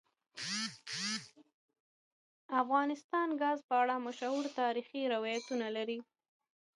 افغانستان د ګاز په اړه مشهور تاریخی روایتونه لري.